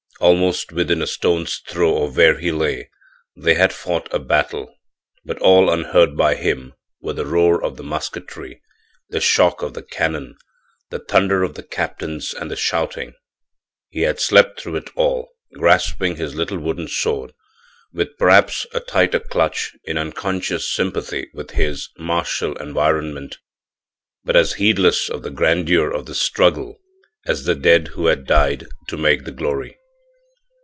Almost within a stone's throw of where he lay they had fought a battle; but all unheard by him were the roar of the musketry, the shock of the cannon, "the thunder of the captains and the shouting." He had slept through it all, grasping his little wooden sword with perhaps a tighter clutch in unconscious sympathy with his martial environment, but as heedless of the grandeur of the struggle as the dead who had died to make the glory.